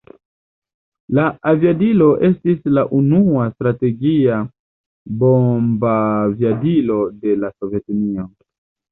La aviadilo estis la unua strategia bombaviadilo de la Sovetunio.